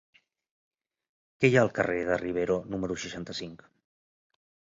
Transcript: Què hi ha al carrer de Rivero número seixanta-cinc?